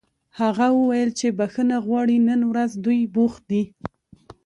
هغه وویل چې بښنه غواړي نن ورځ دوی بوخت دي